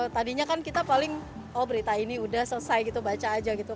tadinya kan kita paling oh berita ini udah selesai gitu baca aja gitu